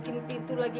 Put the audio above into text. digaburin pintu lagi